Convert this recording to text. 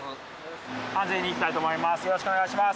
安全にいきたいと思います。